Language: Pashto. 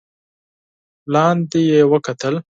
لاندې يې وکتل.